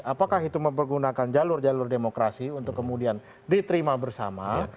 apakah itu mempergunakan jalur jalur demokrasi untuk kemudian diterima bersama